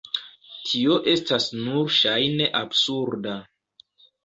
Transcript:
Tio estas nur ŝajne absurda.